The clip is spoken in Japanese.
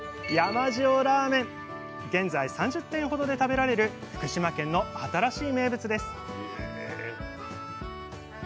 現在３０店ほどで食べられる福島県の新しい名物です